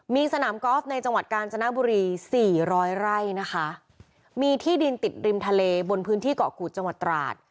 มีสนามกอล์ฟในจังหวัดกาญจนบุรีสี่ร้อยไร่นะคะมีที่ดินติดริมทะเลบนพื้นที่เกาะกูดจังหวัดตราด